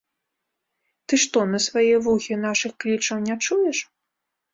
Ты што, на свае вухі нашых клічаў не чуеш?